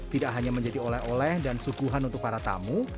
tidak hanya menjadi oleh oleh dan suguhan untuk para tamu